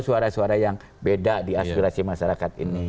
suara suara yang beda di aspirasi masyarakat ini